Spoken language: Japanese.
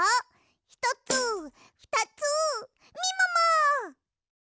ひとつふたつみもも！